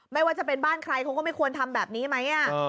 ไม่ว่าจะเป็นบ้านใครเขาก็ไม่ควรทำแบบนี้ไหม